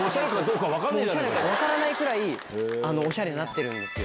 分からないくらいオシャレになってるんですよ。